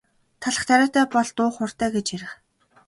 Талх тариатай бол дуу хууртай гэж ярих.